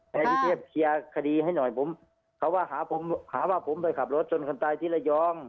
ให้พี่เทพเคลียร์คดีให้หน่อยผมเขาว่าหาผมหาว่าผมไปขับรถชนคนตายที่ระยอง